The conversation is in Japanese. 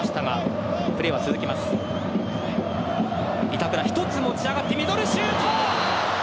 板倉、一つ持ち上がってミドルシュート。